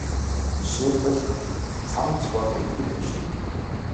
Жишээлбэл цамц бол итгэл биш юм.